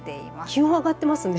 気温上がってますね。